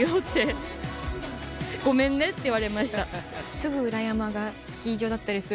すぐ裏山がスキー場だったりするので。